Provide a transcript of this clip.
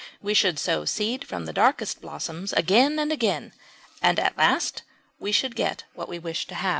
We should sow seed from the darkest blossoms again and again, and at last we should get what we wished to have.